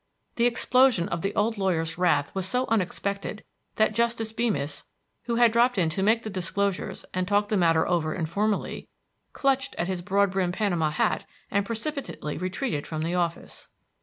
The explosion of the old lawyer's wrath was so unexpected that Justice Beemis, who had dropped in to make the disclosures and talk the matter over informally, clutched at his broad brimmed Panama hat and precipitately retreated from the office.